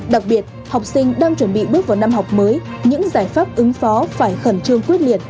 đặc biệt học sinh đang chuẩn bị bước vào năm học mới những giải pháp ứng phó phải khẩn trương quyết liệt